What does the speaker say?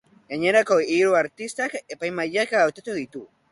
Gainerako hiru artistak epaimahaiak hautatu ditu.